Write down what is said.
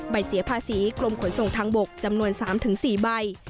เสียภาษีกรมขนส่งทางบกจำนวน๓๔ใบ